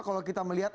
kalau kita melihat ini